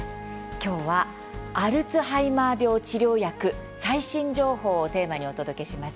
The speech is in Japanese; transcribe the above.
今日は「アルツハイマー病治療薬最新情報」をテーマにお届けします。